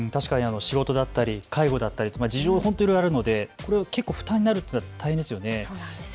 仕事だったり介護だったり事情はいろいろあるので結構、負担になって大変ですよね。